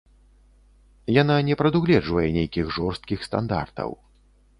Яна не прадугледжвае нейкіх жорсткіх стандартаў.